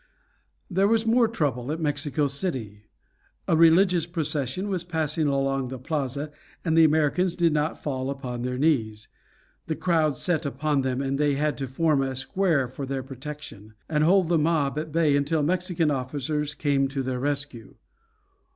There was more trouble at Mexico City. A religious procession was passing along the plaza, and the Americans did not fall upon their knees. The crowd set upon them, and they had to form a square for their protection, and hold the mob at bay until Mexican officers came to their rescue.